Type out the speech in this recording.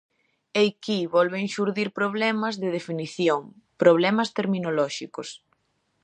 Eiquí volven xurdir problemas de definición, problemas terminolóxicos.